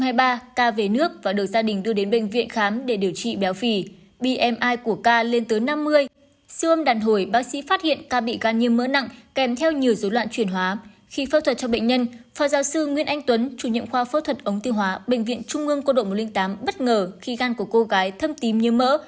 khi phẫu thuật cho bệnh nhân phó giáo sư nguyên anh tuấn chủ nhiệm khoa phẫu thuật ống tư hóa bệnh viện trung ương cô độ một trăm linh tám bất ngờ khi gan của cô gái thâm tím như mỡ